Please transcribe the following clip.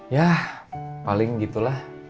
yah paling gitulah